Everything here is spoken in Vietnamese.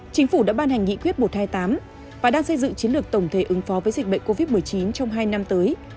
chính phủ đã ban hành nghị quyết một trăm hai mươi tám và đang xây dựng chiến lược tổng thể ứng phó với dịch bệnh covid một mươi chín trong hai năm tới